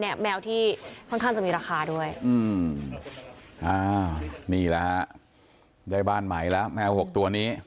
นี่แหละฮะได้บ้านใหม่แล้วแมว๖ตัวนี้